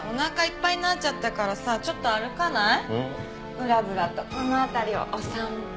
ぶらぶらとこの辺りをお散歩。